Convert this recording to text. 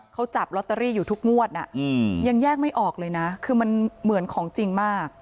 เขาจับลอตเตอรี่อยู่ทุกงวดยังแยกไม่ออกเลยนะคือมันเหมือนของจริงมาก